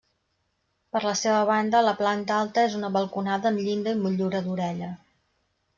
Per la seva banda, la planta alta és una balconada amb llinda i motllura d'orella.